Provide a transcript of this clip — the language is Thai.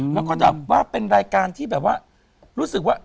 แล้วก็แบบว่าเป็นรายการที่แบบว่ารู้สึกว่า